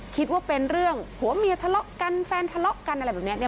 คิดว่าเป็นเรื่องผัวเมียทะเลาะกันแฟนทะเลาะกันอะไรแบบนี้เนี่ย